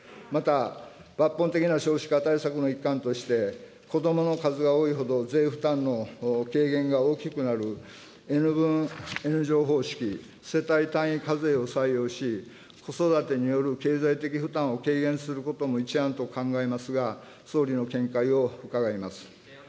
また、抜本的な少子化対策の一環として、子どもの数が多いほど税負担の軽減が大きくなるＮ分Ｎ乗方式、世帯単位課税を採用し、子育てによる経済的負担を軽減することも一案と考えますが、総理の見解を伺います。